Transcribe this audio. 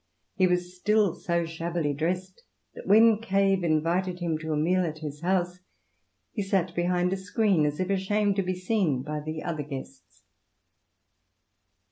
He was still so shabbily dressed that when Cave invited him to a meal at his house he sat behind a screen, as if ashamed to be seen by the other guests.